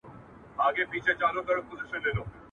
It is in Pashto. تاسو بايد د مطالعې لپاره غوره شرايط برابر کړئ.